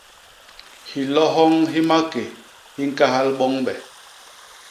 Hilo hyoñ hi maké hi ñkahal boñbe.